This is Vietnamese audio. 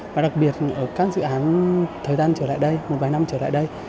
và đặc biệt ở các dự án thời gian trở lại đây một vài năm trở lại đây